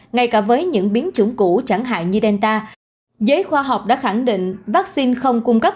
ngay cả với những biến chủng cũ chẳng hạn như delta giới khoa học đã khẳng định vaccine không cung cấp